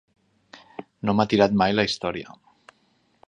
No m'ha tirat mai la història.